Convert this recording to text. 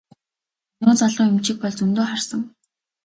Өнөө залуу эмчийг бол зөндөө харсан.